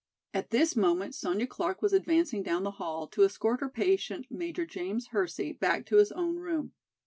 At this moment Sonya Clark was advancing down the hall to escort her patient, Major James Hersey, back to his own room.